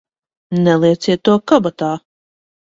Nelieciet to kabatā!